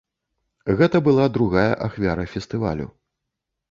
Гэта была другая ахвяра фестывалю.